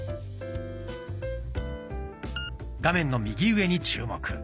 画面の右上に注目。